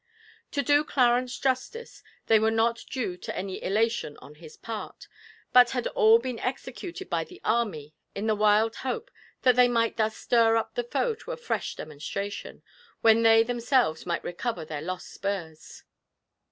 To do Clarence justice, they were not due to any elation on his part, but had all been executed by the army in the wild hope that they might thus stir up the foe to a fresh demonstration, when they themselves might recover their lost spurs.